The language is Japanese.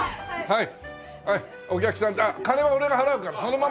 はい。